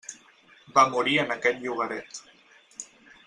Va morir en aquest llogaret.